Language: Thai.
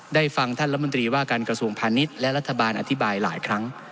ฟังท่านรัฐมนตรีว่าการกระทรวงพาณิชย์และรัฐบาลอธิบายหลายครั้ง